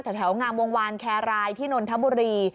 แถวงามวงวานแครรายที่นนทบุรี